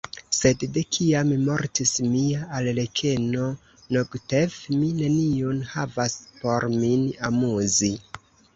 Sed de kiam mortis mia arlekeno Nogtev, mi neniun havas por min amuzi.